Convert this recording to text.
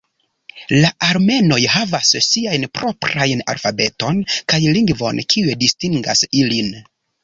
La armenoj havas siajn proprajn alfabeton kaj lingvon kiuj distingas ilin.